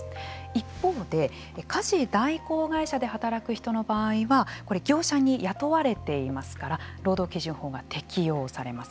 一方で、家事代行会社で働く人の場合は業者に雇われていますから労働基準法が適用されます。